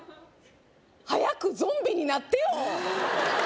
早くゾンビになってよえ